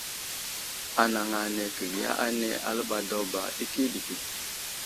Anaŋ ane kəbiya ane aləɓay daw ba ɗikiɗiki.